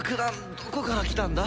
どこから来たんだ？